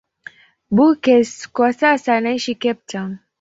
Beukes kwa sasa anaishi Cape Town.